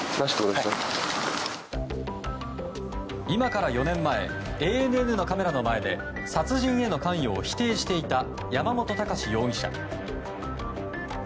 今から４年前ＡＮＮのカメラの前で殺人への関与を否定していた山本孝容疑者。